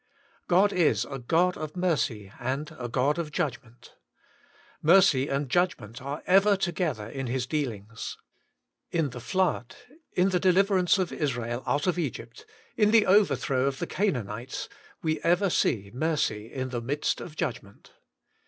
GOD is a God of mercy and a God of judg ment Mercy and judgment are ever together in His dealings. In the flood, in the deliverance of Israel out of Egypt, in the over throw of the Canaanites, we ever see mercy in the midst of judgment.